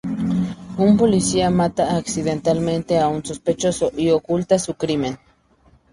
Un policía mata accidentalmente a un sospechoso y oculta su crimen.